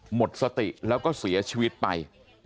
หมดสติแล้วก็เสียชีวิตไป